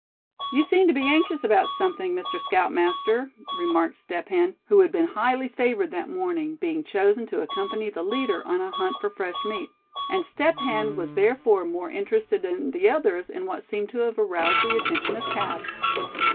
"You seem to be anxious about something Mr. Scout Master?" remarked Step Hen, who had been highly favored that morning, being chosen to accompany the leader on a hunt for fresh meat; and Step Hen was therefore more interested than the others in what seemed to have aroused the attention of Thad.